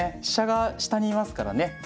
飛車が下にいますからね。